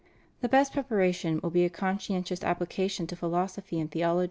The best preparation will be a conscientious application to philosophy and theology » S.